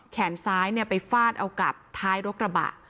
แขนซ้ายไปฟาดเอากับท้ายรถกระบะ